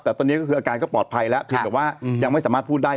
แต่ตอนนี้ก็คืออาการก็ปลอดภัยแล้วเพียงแต่ว่ายังไม่สามารถพูดได้